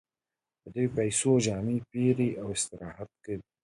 په دې پیسو جامې پېري او استراحت کوي